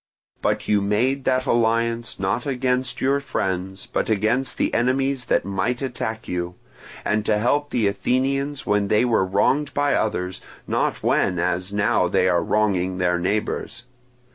But you made that alliance, not against your friends, but against the enemies that might attack you, and to help the Athenians when they were wronged by others, not when as now they are wronging their neighbours.